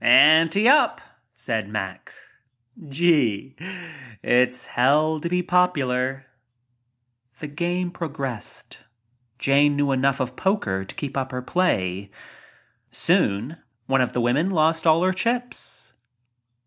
"Ante up," said Mack. "Gee/ it's hell to be popular." The game progressed. Jane knew enough of poker to keep up her play. Soon one of the women lost all her chips.